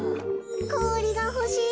こおりがほしい。